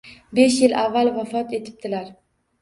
Besh yil avval vafot etibtilar.